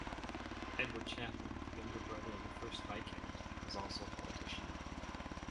Edward Chaplin, younger brother of the first Viscount, was also a politician.